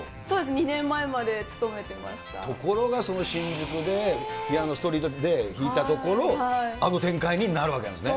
２年前まで勤めてところが新宿で、ピアノ、ストリートで弾いたところ、あの展開になるわけなんですね。